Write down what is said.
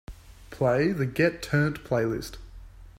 Play the Get Turnt playlist.